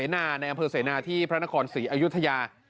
นาในอำเภอเสนาที่พระนครศรีอยุธยา